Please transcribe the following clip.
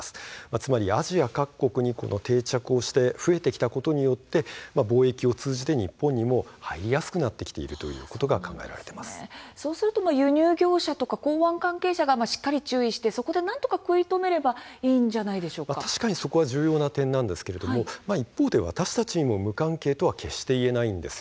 つまり、アジア各国にヒアリが定着して数が増えてきたことによって貿易を通じて日本に入ってくるリスクもそうすると輸入業者や港湾関係者がしっかり注意してそこでなんとか食い止めればそこは重要な点なんですが一方で私たちに無関係と決して言えないんです。